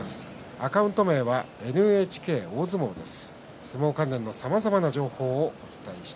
アカウント名はＮＨＫ大相撲です。